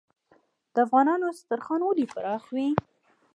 د افغانانو دسترخان ولې پراخ وي؟